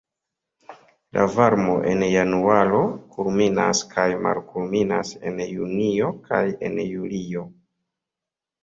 La varmo en januaro kulminas kaj malkulminas en junio kaj en julio.